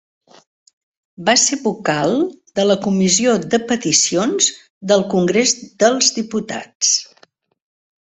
Va ser vocal de la comissió de Peticions del Congrés dels Diputats.